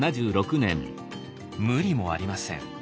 無理もありません。